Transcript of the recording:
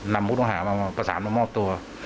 นำผู้ต้องหามาประสานมามอบตัว